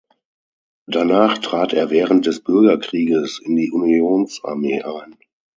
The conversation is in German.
Danach trat er während des Bürgerkrieges in die Unionsarmee ein.